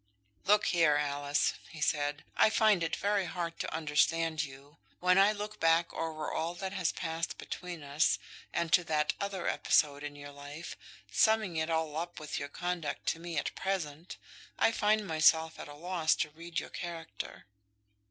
"Look here, Alice," he said, "I find it very hard to understand you. When I look back over all that has passed between us, and to that other episode in your life, summing it all up with your conduct to me at present, I find myself at a loss to read your character."